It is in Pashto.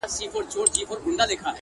زه د بـلا سـره خـبري كـوم!!